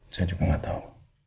saya juga nggak tahu